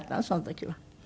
その時は。